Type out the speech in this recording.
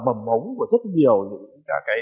mầm mống của rất nhiều những cái